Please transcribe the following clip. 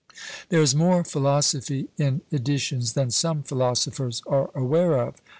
There is more philosophy in editions than some philosophers are aware of.